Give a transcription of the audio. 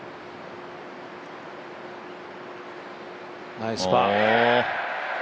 ナイスパー。